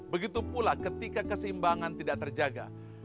begitu pula ketika keseimbangan tidak terjaga